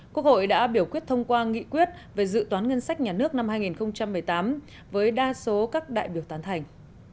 quốc hội đã biểu quyết thông qua nghị quyết về dự toán ngân sách nhà nước năm hai nghìn một mươi tám với đa số các đại biểu tán thành